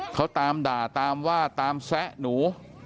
เขาตามด่าตามว่าตามแซะหนู